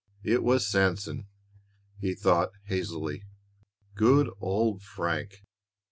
It was Sanson, he thought hazily good old Frank!